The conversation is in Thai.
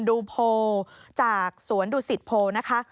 ดูโพลจากสวนดุสิตโพนะคะ